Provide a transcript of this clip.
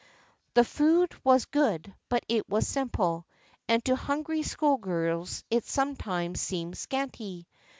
The food was good but it was simple, and to hungry schoolgirls it sometimes seemed scanty.